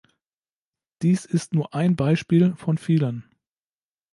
Dies ist nur ein Beispiel von vielen.